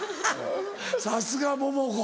さすが桃子。